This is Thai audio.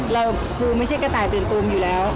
เราดูไม่ใช่กระต่ายตื่นตูมอยู่แล้ว